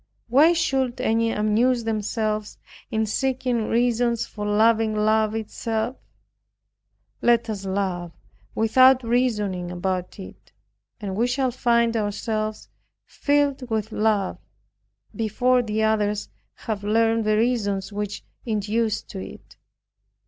Why should any amuse themselves, in seeking reasons for loving Love itself? Let us love without reasoning about it, and we shall find ourselves filled with love, before the others have learned the reasons which induced to it.